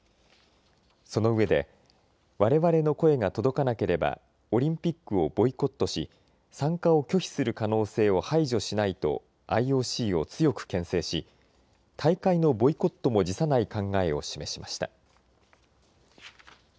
そのうえで、われわれの声が届かなければオリンピックをボイコットし参加を拒否する可能性を排除しないとＩＯＣを強くけん制し大会のボイコットも辞さない考えを示しました。